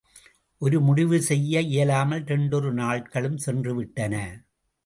ஒரு முடிவும் செய்ய இயலாமல் இரண்டொரு நாள்களும் சென்றுவிட்டன.